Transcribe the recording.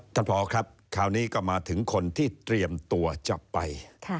ท่านพอครับคราวนี้ก็มาถึงคนที่เตรียมตัวจะไป